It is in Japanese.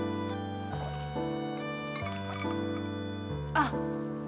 あっ！